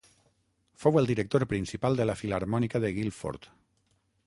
Fou el director principal de la filharmònica de Guildford.